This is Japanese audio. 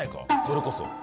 それこそ。